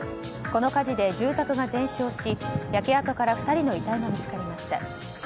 この火事で住宅が全焼し焼け跡から２人の遺体が見つかりました。